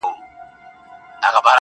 دا زما د کوچنيوالي غزل دی ..